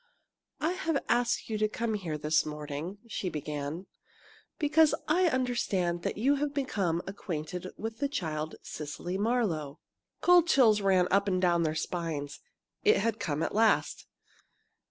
"I have asked you to come here this morning," she began, "because I understand that you have become acquainted with the child Cecily Marlowe." Cold chills ran up and down their spines. It had come at last!